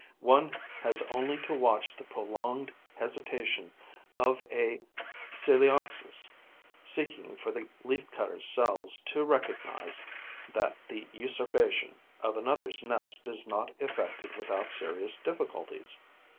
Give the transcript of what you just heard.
One has only to watch the prolonged hesitation of a Coelioxys seeking for the Leaf cutters' cells to recognize that the usurpation of another's nest is not effected without serious difficulties.